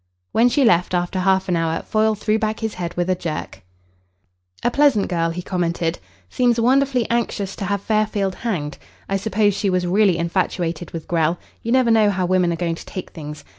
When she left after half an hour, Foyle threw back his head with a jerk. "A pleasant girl," he commented. "Seems wonderfully anxious to have Fairfield hanged. I suppose she was really infatuated with Grell. You never know how women are going to take things.